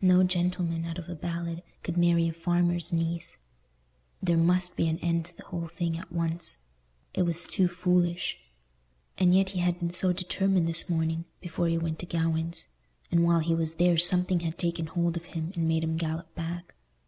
No gentleman, out of a ballad, could marry a farmer's niece. There must be an end to the whole thing at once. It was too foolish. And yet he had been so determined this morning, before he went to Gawaine's; and while he was there something had taken hold of him and made him gallop back.